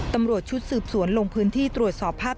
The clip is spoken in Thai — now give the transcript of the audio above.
ตำรวจชุดสืบสวนลงพื้นที่ตรวจสอบภาพ